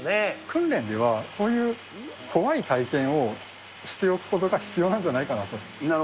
訓練では、こういう怖い体験をしておくことが必要なんじゃないかなと。